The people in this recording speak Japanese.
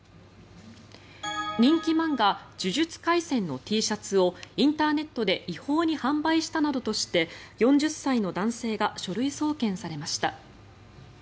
人気漫画「呪術廻戦」のＴシャツをインターネットで違法に販売したなどとして４０歳の男性が書類送検されました。